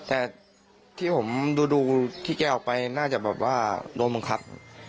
แต่ที่ผมดูที่แกออกไปน่าจะแบบว่าโดนบังคับ